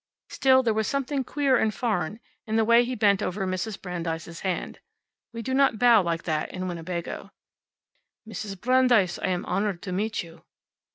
Still, there was something queer and foreign in the way he bent over Mrs. Brandeis's hand. We do not bow like that in Winnebago. "Mrs. Brandeis, I am honored to meet you."